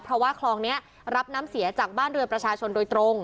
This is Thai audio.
เพราะว่าคลองนี้รับน้ำเสียจากบ้านเรือประชาชนโดยตรง